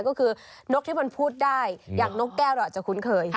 ก็คือนกที่มันพูดได้อย่างนกแก้วเราอาจจะคุ้นเคย